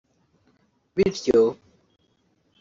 Bityo